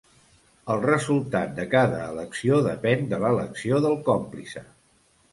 El resultat de cada elecció depèn de l'elecció del còmplice.